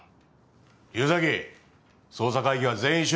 竜崎捜査会議は全員出席。